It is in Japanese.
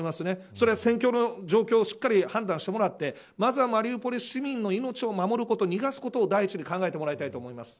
それは戦況をしっかり判断してもらってまずはマリウポリ市民の命を守ること逃がすことを第一に考えてもらいたいと思います。